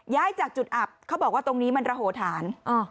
จากจุดอับเขาบอกว่าตรงนี้มันระโหฐาน